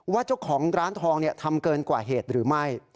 ว่าเจ้าของร้านทองทำเกินกว่าเหตุหรือไม่